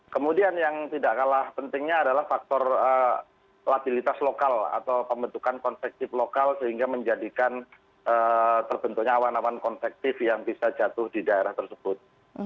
kemudian yang tidak kalah pentingnya adalah faktor latilitas lokal atau pembentukan konvektif lokal sehingga menjadikan terbentuknya awan awan konvektif yang bisa jatuh di daerah tersebut